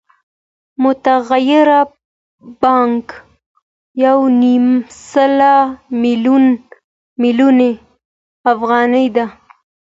متغیره پانګه یو نیم سل میلیونه افغانۍ ده